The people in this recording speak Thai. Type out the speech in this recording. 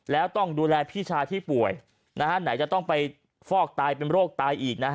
แล้วต้องดูแลพี่ชายที่ป่วยไหนจะต้องไปฟอกตายเป็นโรคตายอีกนะฮะ